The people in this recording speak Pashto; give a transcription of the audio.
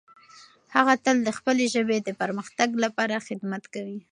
هغه تل د خپلې ژبې د پرمختګ لپاره خدمت کوي.